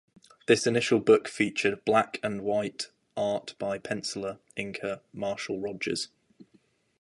This initial book featured black-and-white art by penciler-inker Marshall Rogers.